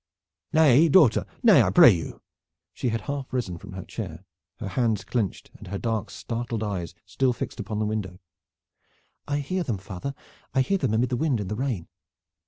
Nay, daughter, nay, I pray you!" She had half risen from her chair, her hands clenched and her dark, startled eyes still fixed upon the window. "I hear them, father! I hear them amid the wind and the rain!